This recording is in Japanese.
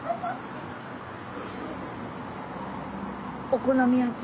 お好み焼き？